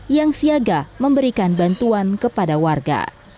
yang siaga memberikan bantuan kepada warga